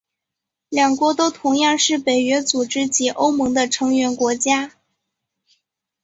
两国都同样是北约组织及欧盟的成员国家。